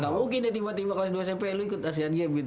nggak mungkin ya tiba tiba kelas dua smp lo ikut asean games gitu